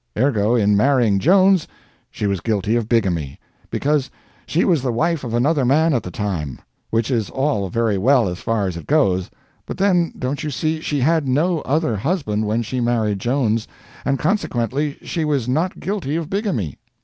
Ergo, in marrying Jones, she was guilty of bigamy, because she was the wife of another man at the time; which is all very well as far as it goes but then, don't you see, she had no other husband when she married Jones, and consequently she was not guilty of bigamy.